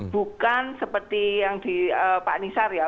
bukan seperti yang di pak nisar ya